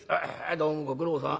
『どうもご苦労さん。